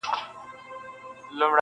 شرنګ د بلبلو په نغمو کي د سیالۍ نه راځي-